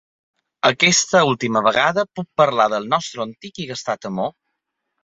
Aquesta última vegada puc parlar del nostre antic i gastat amor?